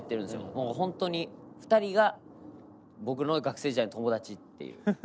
もう本当に２人が僕の学生時代の友達っていう。